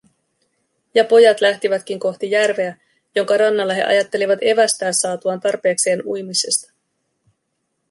Ja pojat lähtivätkin kohti järveä, jonka rannalla he ajattelivat evästää saatuaan tarpeekseen uimisesta.